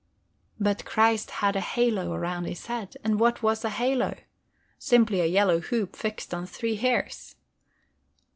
But Christ had a halo round His head. And what was a halo? Simply a yellow hoop fixed on three hairs.